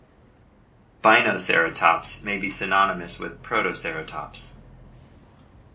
"Bainoceratops" may be synonymous with "Protoceratops".